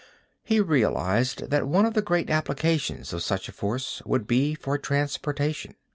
He realized that one of the great applications of such a force would be for transportation.